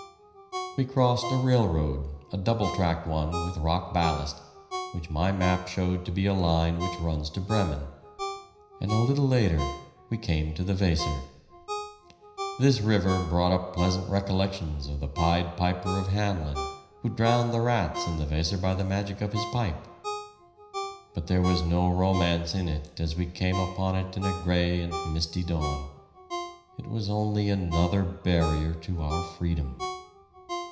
We crossed a railroad, a double tracked one with rock ballast, which my map showed to be a line which runs to Bremen, and a little later we came to the Weser. This river brought up pleasant recollections of the Pied Piper of Hamelin, who drowned the rats in the Weser by the magic of his pipe. But there was no romance in it as we came upon it in a gray and misty dawn. It was only another barrier to our freedom.